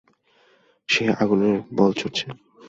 সে আগুনের বল ছুড়ছে।